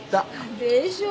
でしょ。